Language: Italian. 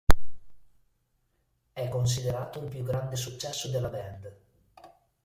È considerato il più grande successo della band.